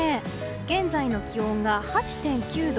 現在の気温が８．９度。